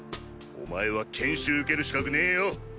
お前は研修受ける資格ねよ